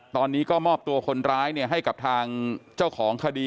ตอนนี้ก็มอบตัวคนร้ายให้กับทางเจ้าของคดี